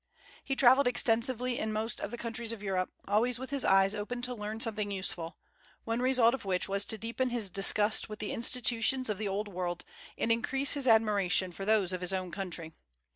He travelled extensively in most of the countries of Europe, always with his eyes open to learn something useful; one result of which was to deepen his disgust with the institutions of the Old World, and increase his admiration for those of his own country.